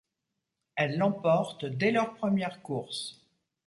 Elles l'emportent dès leur première course.